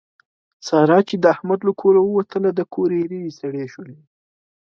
ساره چې د احمد له کوره ووتله د کور ایرې یې سړې شولې.